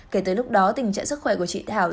kể từ lúc đó tình trạng sức khỏe của chị thảo